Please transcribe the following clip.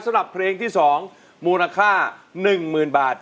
สำหรับเพลงที่๒มูลค่า๑๐๐๐บาท